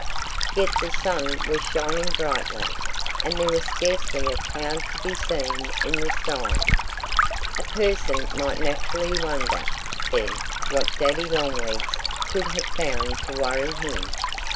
Yet the sun was shining brightly. And there was scarcely a cloud to be seen in the sky. A person might naturally wonder, then, what Daddy Longlegs could have found to worry him.